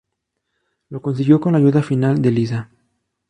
Lo consiguió con la ayuda final de Lisa.